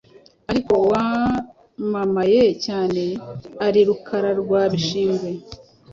ariko uwamamaye cyane ari Rukara rwa Bishingwe